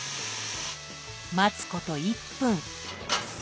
待つこと１分。